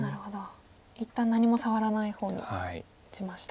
一旦何も触らない方に打ちました。